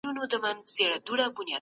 پانګوال بايد د ټولني ګټه وګوري.